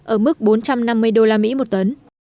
ở mức bốn trăm năm mươi usd một tấn